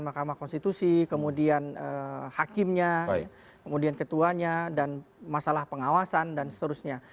mahkamah konstitusi kemudian hakimnya kemudian ketuanya dan masalah pengawasan dan seterusnya